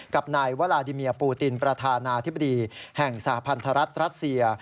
กับนายวลาดิเมียปูตินประธานาธิบดีแห่งสหพันธรัฐรัสเซีย